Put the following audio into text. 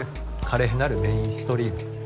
華麗なるメインストリーム。